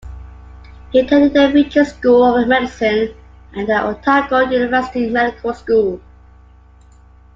He attended the Fiji School of Medicine and the Otago University Medical School.